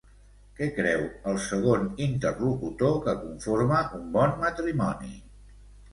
Què creu el segon interlocutor que conforma un bon matrimoni?